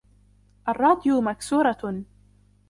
الراديو مكسورة.